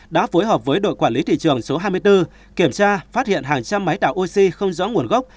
đã phối hợp với đội quản lý thị trường số hai mươi bốn kiểm tra phát hiện hàng trăm máy tạo oxy không rõ nguồn gốc